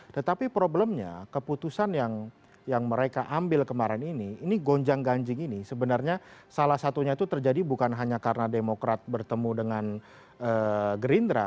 tetapi problemnya keputusan yang mereka ambil kemarin ini ini gonjang ganjing ini sebenarnya salah satunya itu terjadi bukan hanya karena demokrat bertemu dengan gerindra